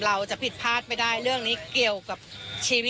เราจะผิดพลาดไปได้เรื่องนี้